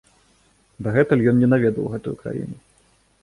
Дагэтуль ён не наведваў гэтую краіну.